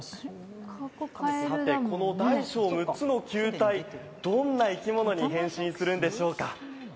さて、この大小６つの球体どんな生き物に変身するんでしょうか。